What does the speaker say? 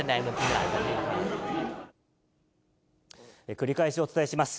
繰り返しお伝えします。